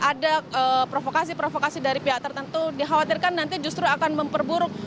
ada provokasi provokasi dari pihak tertentu dikhawatirkan nanti justru akan memperburuk